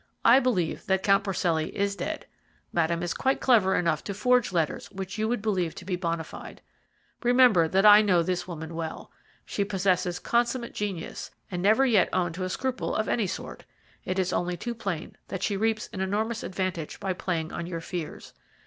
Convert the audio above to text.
I believe that Count Porcelli is dead. Madame is quite clever enough to forge letters which you would believe to be bonâ fide. Remember that I know this woman well. She possesses consummate genius, and never yet owned to a scruple of any sort. It is only too plain that she reaps an enormous advantage by playing on your fears.